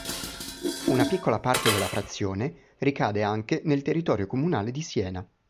Una piccola parte della frazione ricade anche nel territorio comunale di Siena.